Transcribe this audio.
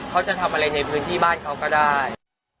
เขาจะทำอะไรในพื้นที่บ้านเขาก็ได้